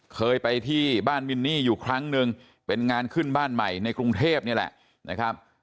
เคยไปที่บ้านมินนี่อยู่ครั้งหนึ่งเป็นงานขึ้นบ้านใหม่ในกรุงเทพนี่แหละนะครับ